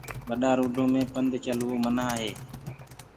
ٻڏآ روڊو مي پنڌ چلوو منآ هي۔